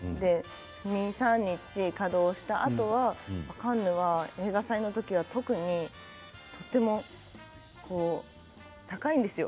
２、３日稼働したあとはカンヌは映画祭の時は特にとても高いんですよ